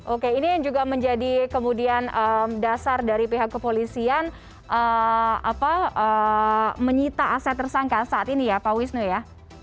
oke ini yang juga menjadi kemudian dasar dari pihak kepolisian menyita aset tersangka saat ini ya pak wisnu ya